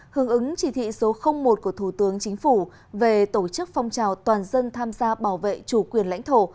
hướng ứng chỉ thị số một của thủ tướng chính phủ về tổ chức phong trào toàn dân tham gia bảo vệ chủ quyền lãnh thổ